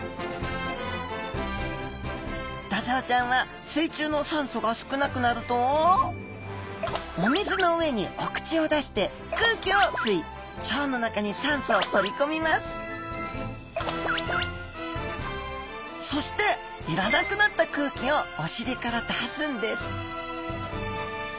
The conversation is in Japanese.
ドジョウちゃんは水中の酸素が少なくなるとお水の上にお口を出して空気を吸い腸の中に酸素を取り込みますそしていらなくなった空気をお尻から出すんです